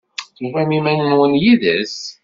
Tufam iman-nwen yid-s?